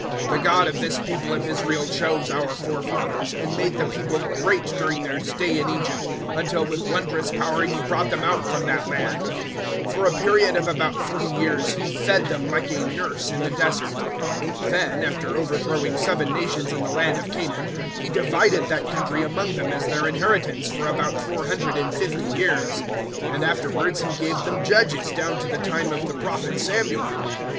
013:017 The God of this people of Israel chose our forefathers, and made the people great during their stay in Egypt, until with wondrous power He brought them out from that land. 013:018 For a period of about forty years, He fed them, like a nurse, in the Desert. 013:019 Then, after overthrowing seven nations in the land of Canaan, He divided that country among them as their inheritance for about four hundred and fifty years; 013:020 and afterwards He gave them judges down to the time of the Prophet Samuel.